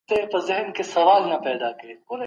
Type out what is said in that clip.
نایله د پښتونخوا د اشنغر ولسوالۍ اوسېدونکې ده.